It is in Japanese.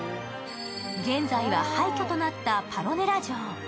現在は廃虚となったパロネラ城。